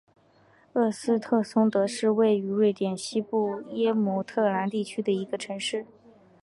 厄斯特松德是位于瑞典西部耶姆特兰地区的一个城市。